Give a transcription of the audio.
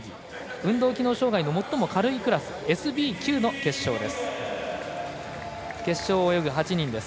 運動機能障がいの最も軽いクラスＳＢ９の決勝です。